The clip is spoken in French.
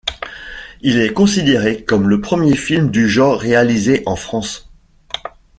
Il est considéré comme le premier film du genre réalisé en France.